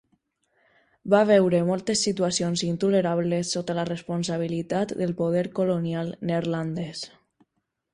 Va veure moltes situacions intolerables sota la responsabilitat del poder colonial neerlandès.